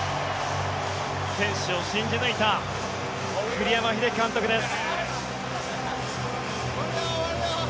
選手を信じ抜いた栗山英樹監督です。